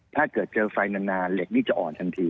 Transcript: ถ้าเกิดเจอไฟนานเหล็กนี่จะอ่อนทันที